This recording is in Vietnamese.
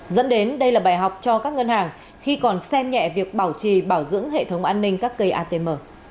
dẫn đến đây là bài học cho các ngân hàng khi còn xem nhẹ việc bảo trì bảo dưỡng hệ thống an ninh các cây atm